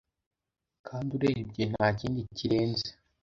kandi urebye nta kindi kirenze.